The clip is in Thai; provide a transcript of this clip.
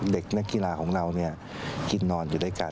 เด็กนักกีฬาของเรากินนอนอยู่ด้วยกัน